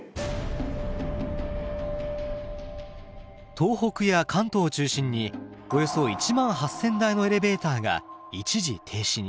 東北や関東を中心におよそ１万８，０００台のエレベーターが一時停止に。